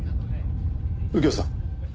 右京さん。